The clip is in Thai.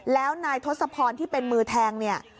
แล้วนายทศพรที่เป็นมือแทง